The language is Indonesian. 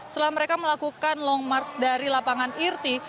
setelah mereka melakukan long march dari lapangan irti